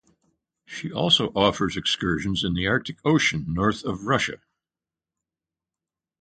She also offers excursions in the Arctic Ocean north of Russia.